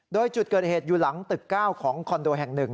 โดยจุดเกิดเหตุอยู่หลังตึก๙ของคอนโดแห่ง๑